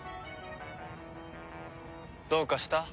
どうかした？